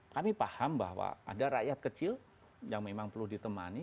kami paham bahwa ada rakyat kecil yang memang perlu ditemani